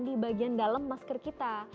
di bagian dalam masker kita